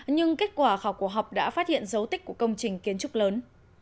nhưng kết quả khảo cổ học đã phát hiện dấu tích của công trình kiến trúc lớn